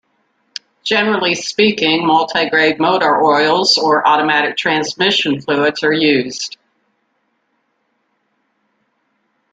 Generally speaking, multi-grade motor oils or automatic transmission fluids are used.